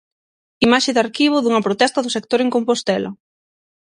Imaxe de arquivo dunha protesta do sector en Compostela.